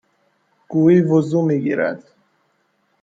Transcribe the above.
گویی وضو میگیرد